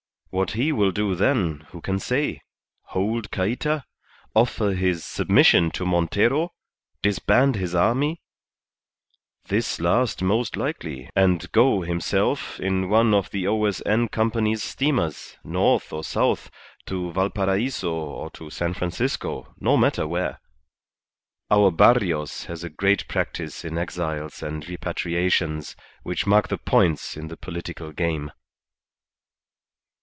What he will do then, who can say? Hold Cayta? Offer his submission to Montero? Disband his army this last most likely, and go himself in one of the O.S.N. Company's steamers, north or south to Valparaiso or to San Francisco, no matter where. Our Barrios has a great practice in exiles and repatriations, which mark the points in the political game."